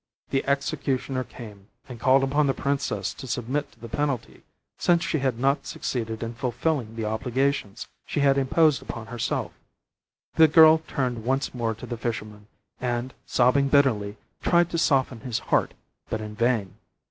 The executioner came, and called upon the princess to submit to the penalty, since she had not succeeded in fulfilling the obligations she had imposed upon herself; the girl turned once more to the fisherman, and, sobbing bitterly, tried to soften his heart, but in vain.